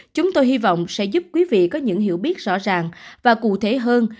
chúng tôi hy vọng sẽ giúp quý vị có những hiểu biết rõ ràng và cụ thể hơn